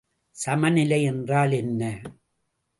சமநிலை என்றால் என்ன?